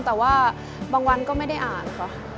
แต่ว่าบางวันก็ไม่ได้อ่านค่ะ